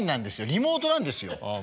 リモートなんですよ。